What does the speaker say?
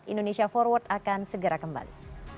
indonesia forward akan segera kembali